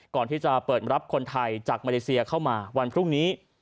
ก่อนที่จะเปิดรับคนไทยจากมาเลเซียเข้ามาวันพรุ่งนี้